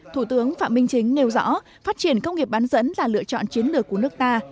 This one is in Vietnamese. thủ tướng phạm minh chính nêu rõ phát triển công nghiệp bán dẫn là lựa chọn chiến lược của nước ta